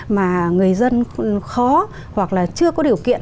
mà người dân khó hoặc là chưa có điều kiện